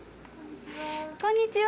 こんにちは。